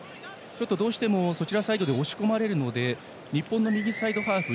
どうしてもそちらサイドへ押し込まれるので日本の右サイドハーフ